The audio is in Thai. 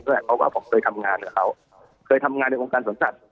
เพราะว่าผมเคยทำงานกับเขาเคยทำงานในองค์การสวนสัตว